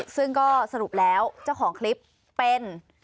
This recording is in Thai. ซึ่งก็สรุปแล้วเจ้าของคลิปเป็น